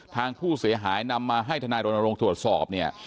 ทางผู้เสียหายนำมาให้ทนายรณรงค์ตรวจสอบเนี่ย